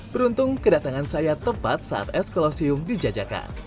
beruntung kedatangan saya tepat saat es kolosium dijajakan